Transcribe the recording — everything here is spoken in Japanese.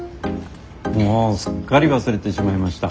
もうすっかり忘れてしまいました。